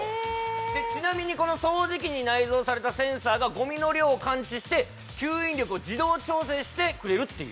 ちなみにこの掃除機に内蔵されたセンサーがゴミの量を感知して吸引力を自動調整してくれるっていう